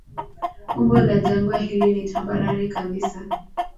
Umbo la jangwa hili ni tambarare kabisa.